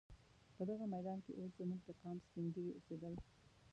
په دغه میدان کې اوس زموږ د قام سپین ږیري اوسېدل.